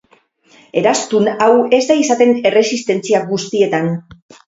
Eraztun hau ez da izaten erresistentzia guztietan.